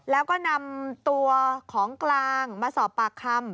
แล้วก็นำตัวของกลางมาสอบปากคำ